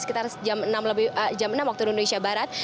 sekitar jam enam waktu indonesia barat